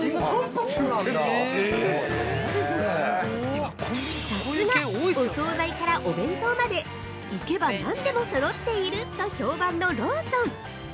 ◆さすが、お総菜からお弁当まで、行けば何でもそろっていると評判のローソン。